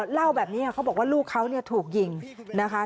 เล่าแบบนี้เขาบอกว่าลูกเขาเนี่ยถูกยิงนะคะ